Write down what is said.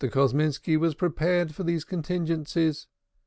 Kosminski was prepared for these contingencies.